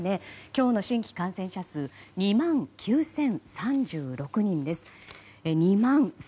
今日の新規感染者数２万９０３６人です。